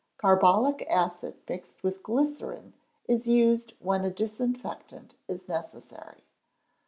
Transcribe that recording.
Carbolic acid mixed with glycerine is used when a disinfectant is necessary.